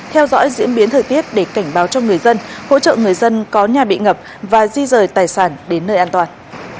theo dõi diễn biến thời tiết để cảnh báo cho người dân hỗ trợ người dân có nhà bị ngập và di rời tài sản đến nơi an toàn